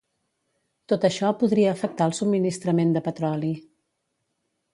Tot això podria afectar el subministrament de petroli.